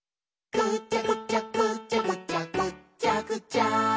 「ぐちゃぐちゃぐちゃぐちゃぐっちゃぐちゃ」